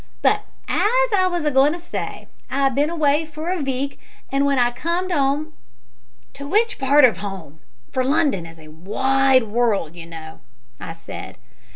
But, as I was agoin' to say, I'd bin away for a veek, an' w'en I comed 'ome " "To which part of home? for London is a wide word, you know," I said.